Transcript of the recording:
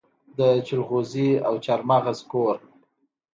د جلغوزي او چارمغز کور.